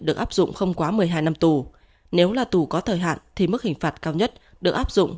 được áp dụng không quá một mươi hai năm tù nếu là tù có thời hạn thì mức hình phạt cao nhất được áp dụng